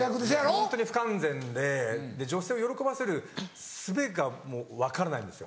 ホントに不完全で女性を喜ばせるすべがもう分からないんですよ。